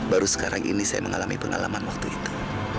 baru sekarang ini saya mengalami pengalaman waktu itu